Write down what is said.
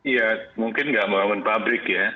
ya mungkin gak membangun pabrik ya